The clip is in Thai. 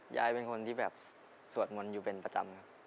ยายเป็นคนที่แบบสวดมนต์อยู่เป็นประจำครับ